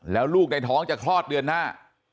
แล้วลูกในท้องจะคลอดเดือนหน้า